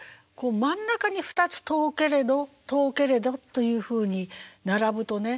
真ん中に２つ「とほけれどとほけれど」というふうに並ぶとね